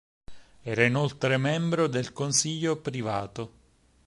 Era inoltre membro del Consiglio Privato.